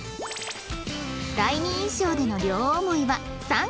第二印象での両思いは３組